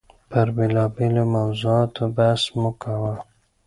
پر بېلابېلو موضوعاتو بحث مو کاوه.